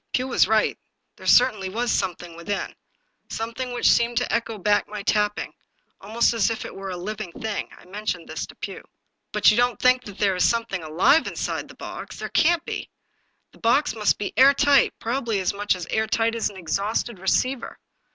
Pugh was right, there certainly was something within; something which seemed to echo back my tapping, almost as if it were a living thing. I mentioned this to Pugh. " But you don't think that there is something alive in side the box? There can't be. The box must be air tight, probably as much air tight as an exhausted receiver."